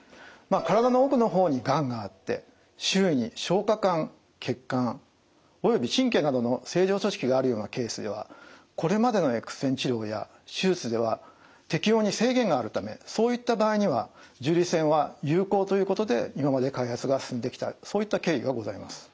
体の奥の方にがんがあって周囲に消化管血管および神経などの正常組織があるようなケースではこれまでのＸ線治療や手術では適応に制限があるためそういった場合には重粒子線は有効ということで今まで開発が進んできたそういった経緯がございます。